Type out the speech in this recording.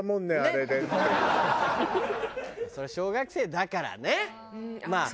それは小学生だからねまあ。